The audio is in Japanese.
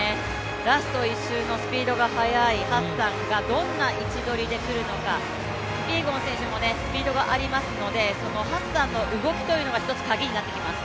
ラスト１周のスピードが速いハッサンがどんな位置取りでくるのか、キピエゴン選手もスピードがありますので、そのハッサンの動きというのが１つカギになってきます。